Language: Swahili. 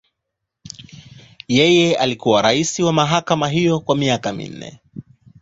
Yeye alikuwa rais wa mahakama hiyo kwa miaka minne.